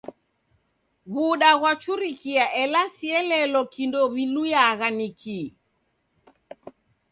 W'uda ghwachurikia ela sielelo kindo w'iluyagha ni kii!